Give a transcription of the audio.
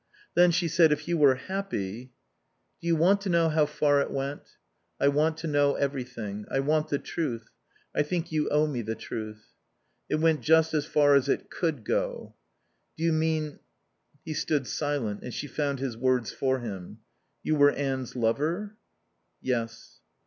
"Then," she said, "if you were happy " "Do you want to know how far it went?" "I want to know everything. I want the truth. I think you owe me the truth." "It went just as far as it could go." "Do you mean " He stood silent and she found his words for him. "You were Anne's lover?" "Yes."